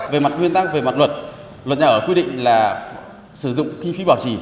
về mặt nguyên tắc về mặt luật luật nhà ở quy định là sử dụng kinh phí bảo trì